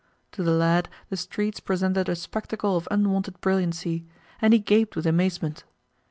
To the lad the streets presented a spectacle of unwonted brilliancy, and he gaped with amazement.